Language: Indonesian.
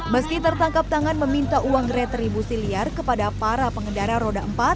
meski tertangkap tangan meminta uang retribusi liar kepada para pengendara roda empat